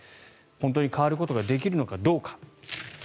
本当に変わることができるのかどうか。